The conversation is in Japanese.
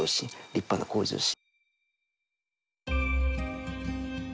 立派な向上心。